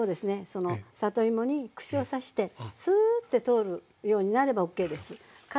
その里芋に串を刺してスーって通るようになればＯＫです。